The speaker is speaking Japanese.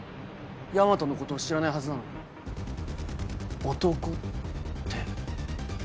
大和のことを知らないはずなのに「男」って。